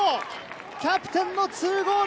キャプテンの２ゴール。